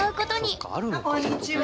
あこんにちは。